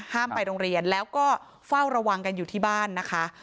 ไปโรงเรียนแล้วก็เฝ้าระวังกันอยู่ที่บ้านนะคะ